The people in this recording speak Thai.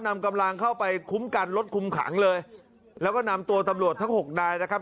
นำกำลังเข้าไปคุ้มกันรถคุมขังเลยแล้วก็นำตัวตำรวจทั้งหกนายนะครับ